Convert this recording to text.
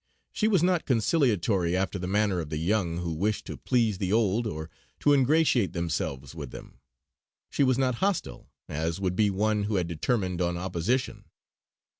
She was not conciliatory after the manner of the young who wish to please the old, or to ingratiate themselves with them. She was not hostile, as would be one who had determined on opposition.